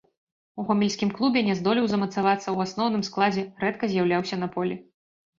У гомельскім клубе не здолеў замацавацца ў асноўным складзе, рэдка з'яўляўся на полі.